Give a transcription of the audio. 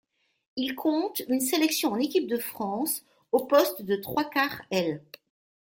Il compte une sélection en équipe de France au poste de trois-quarts aile.